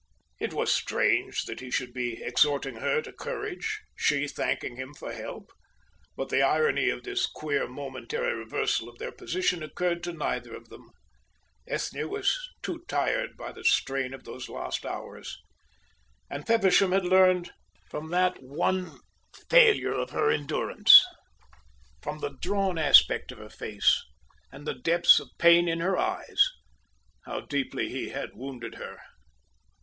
It was strange that he should be exhorting her to courage, she thanking him for help; but the irony of this queer momentary reversal of their position occurred to neither of them. Ethne was too tried by the strain of those last hours, and Feversham had learned from that one failure of her endurance, from the drawn aspect of her face and the depths of pain in her eyes, how deeply he had wounded her.